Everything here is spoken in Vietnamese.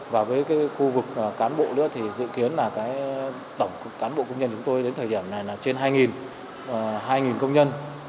và với khu vực cán bộ nữa thì dự kiến là tổng cán bộ công nhân chúng tôi đến thời điểm này là trên hai công nhân